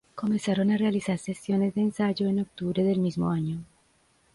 Comenzaron a realizar sesiones de ensayo en octubre del mismo año.